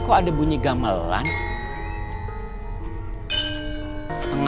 aku pengen pasang